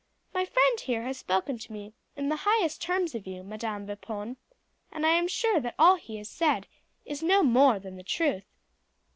"My friend here has spoken to me in the highest terms of you, Madam Vipon, and I am sure that all that he has said is no more than the truth."